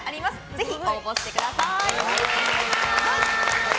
ぜひ応募してください。